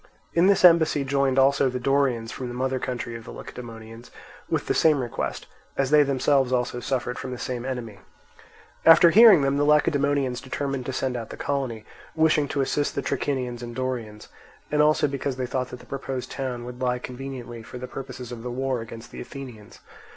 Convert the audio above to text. In this embassy joined also the Dorians from the mother country of the Lacedaemonians, with the same request, as they themselves also suffered from the same enemy. After hearing them, the Lacedaemonians determined to send out the colony, wishing to assist the Trachinians and Dorians, and also because they thought that the proposed town would lie conveniently for the purposes of the war against the Athenians.